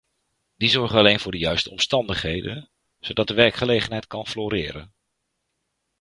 Die zorgen alleen voor de juiste omstandigheden, zodat de werkgelegenheid kan floreren.